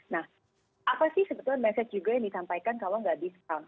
nah apa sih sebetulnya mesej juga yang ditampaikan kalau tidak discount